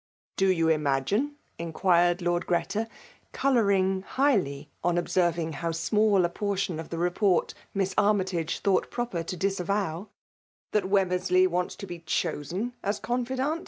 ''Do you imagine, inquired Lord Greta, eoloaring highly on observing how small a portion of the report Miss Annytage thought proper to disavoWf ''that Wemrnersley waitv to fae dtoiBB m confidant?